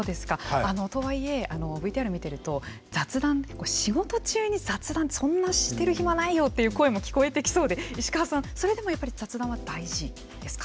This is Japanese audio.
とはいえＶＴＲを見ていると雑談、仕事中に雑談ってそんなしてる暇ないよという声も聞こえてきそうで石川さん、それでもやっぱり雑談は大事ですか。